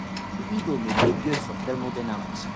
The eagle made good use of thermodynamics.